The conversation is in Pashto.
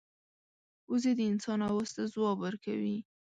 وزې د انسان آواز ته ځواب ورکوي